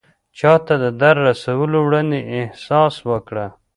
چاته د درد رسولو وړاندې احساس وکړه.